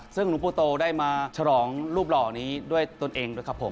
ซึ่งหลวงปู่โตได้มาฉลองรูปหล่อนี้ด้วยตนเองด้วยครับผม